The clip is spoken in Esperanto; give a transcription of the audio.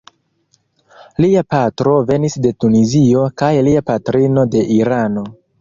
Lia patro venis de Tunizio kaj lia patrino de Irano.